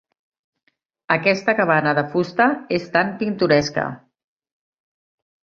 Aquesta cabana de fusta és tan pintoresca.